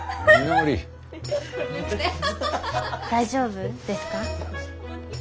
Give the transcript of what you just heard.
大丈夫ですか？